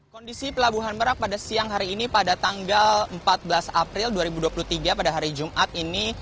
kondisi pelabuhan merak pada siang hari ini pada tanggal empat belas april dua ribu dua puluh tiga pada hari jumat ini